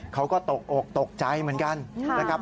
เขาก็ตกโอกตกใจเหมือนกัน